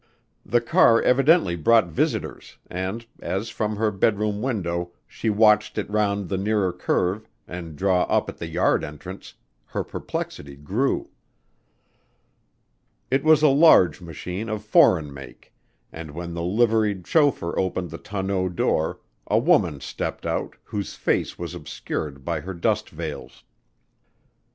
The car evidently brought visitors and as, from her bed room window, she watched it round the nearer curve and draw up at the yard entrance, her perplexity grew. It was a large machine of foreign make and, when the liveried chauffeur opened the tonneau door, a woman stepped out whose face was obscured by her dust veils.